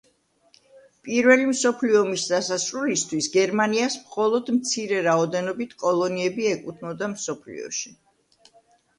პირველი მსოფლიო ომის დასასრულისთვის გერმანიას მხოლოდ მცირე რაოდენობით კოლონიები ეკუთვნოდა მსოფლიოში.